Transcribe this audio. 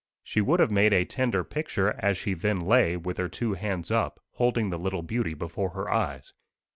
She would have made a tender picture, as she then lay, with her two hands up, holding the little beauty before her eyes.